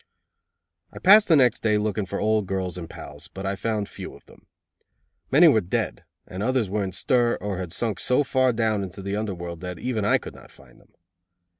I passed the next day looking for old girls and pals, but I found few of them. Many were dead and others were in stir or had sunk so far down into the under world that even I could not find them.